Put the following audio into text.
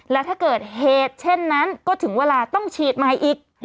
และถ้าเกิดเหตุเช่นนั้นก็ถึงเวลาต้องฉีดใหม่อีก